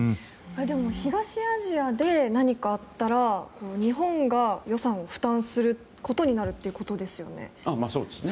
でも東アジアで何かあったら日本が予算を負担することになるということですよね。